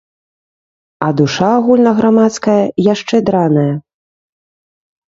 А душа агульнаграмадская яшчэ драная!